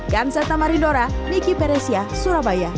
ganseta marindora miki peresia surabaya